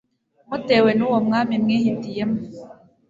mutewe n'uwo mwami mwihitiyemo